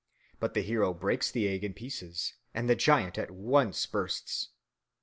But the hero breaks the egg in pieces and the giant at once bursts.